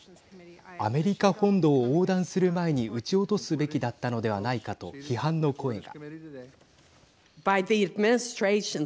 アメリカ本土を横断する前に撃ち落とすべきだったのではないかと批判の声が。